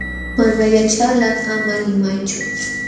Mana yaćhalqa ama limaychu.